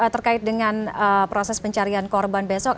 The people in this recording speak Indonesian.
terkait dengan proses pencarian korban besok